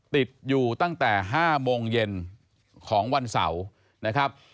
ติดอยู่ตั้งแต่๕โมงเย็นของวันเสาร์นะครับ